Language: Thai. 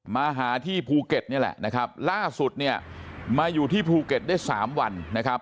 มาหาที่ภูเก็ตนี่แหละนะครับล่าสุดเนี่ยมาอยู่ที่ภูเก็ตได้สามวันนะครับ